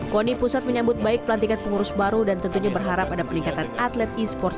koni pusat menyebut baik pelantikan pengurus baru dan tentunya berharap ada peningkatan atlet esports